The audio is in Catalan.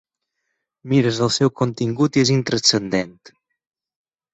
Mires el seu contingut i és intranscendent.